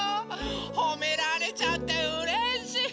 ほめられちゃってうれしい！